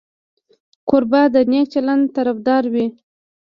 کوربه د نیک چلند طرفدار وي.